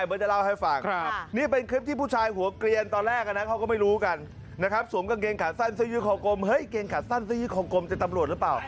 คลิปที่ผู้ชายหัวเกลียนตอนแรกนะเขาก็ไม่รู้กันนะครับสวมกางเกงขาดสั้นซื้อยื้อของกรมเฮ้ยเกงขาดสั้นซื้อยื้อของกรมจะตำรวจหรือเปล่า